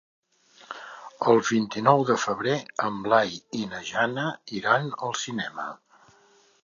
El vint-i-nou de febrer en Blai i na Jana iran al cinema.